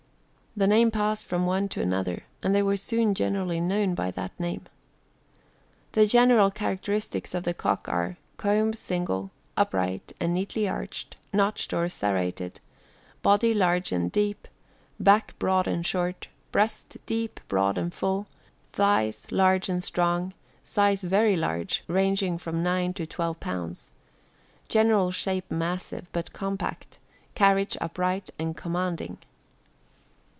The name passed from one to another and they were soon generally known by that name." The general characteristics of the cock are: Comb single, upright, and neatly arched, notched, or serrated; body large and deep; back broad and short; breast deep, broad, and full; thighs large and strong; size very large, ranging from nine to twelve pounds; general shape massive, but compact; carriage upright and commanding.